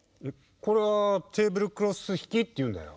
これはテーブルクロスひきっていうんだよ。